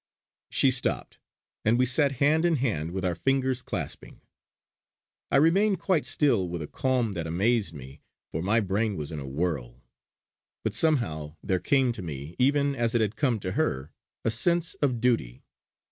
She stopped, and we sat hand in hand with our fingers clasping. I remained quite still with a calm that amazed me, for my brain was in a whirl. But somehow there came to me, even as it had come to her, a sense of duty.